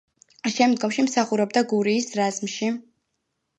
შემდგომში მსახურობდა გურიის რაზმში.